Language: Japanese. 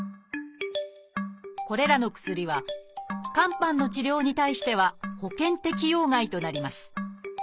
これらの薬は肝斑の治療に対しては保険適用外となります。